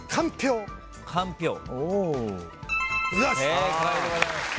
正解でございます。